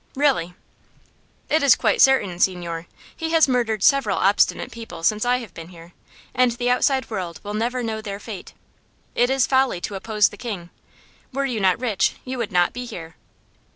"Really?" "It is quite certain, signore. He has murdered several obstinate people since I have been here, and the outside world will never know their fate. It is folly to oppose the king. Were you not rich you would not be here.